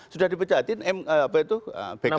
sudah dipecatin bkn